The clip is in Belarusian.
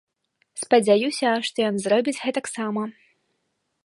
Спадзяюся, што ён зробіць гэтак сама.